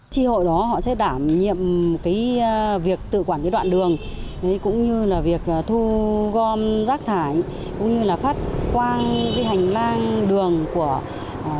tri hội đó họ sẽ đảm nhiệm việc tự quản đoạn đường cũng như việc thu gom rác thải cũng như phát quang hành lang đường của thôn